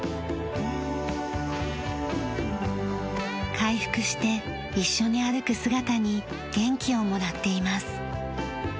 回復して一緒に歩く姿に元気をもらっています。